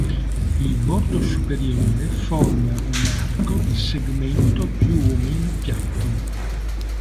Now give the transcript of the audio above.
Il bordo superiore forma un arco di segmento più o meno piatto.